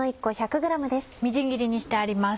みじん切りにしてあります。